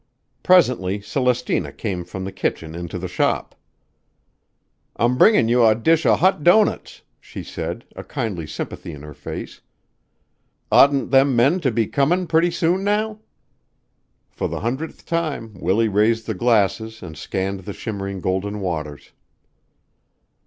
Presently Celestina came from the kitchen into the shop. "I'm bringin' you a dish of hot doughnuts," she said, a kindly sympathy in her face. "Oughtn't them men to be comin' pretty soon now?" For the hundredth time Willie raised the glasses and scanned the shimmering golden waters.